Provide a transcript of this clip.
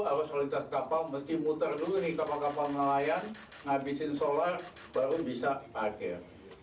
arus lalu lintas kapal mesti muter dulu nih kapal kapal nelayan ngabisin solar baru bisa parkir